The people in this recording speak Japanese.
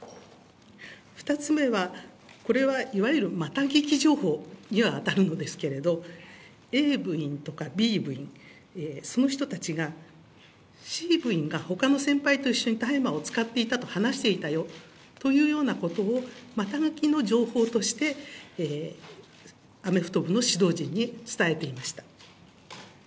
２つ目はこれはいわゆるまた聞き情報には当たるのですけれど、Ａ部員とかＢ部員、その人たちがＣ部員がほかの先輩と一緒に大麻を使っていたと話していたよというようなことを、また聞きの情報としてアメフト部の指導陣に伝えていました。